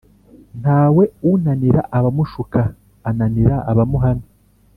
Ntawe unanira abamushuka ananira abamuhana.